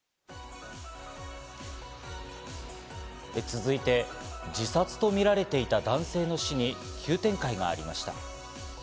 続いて、自殺とみられていた男性の死に急展開がありました。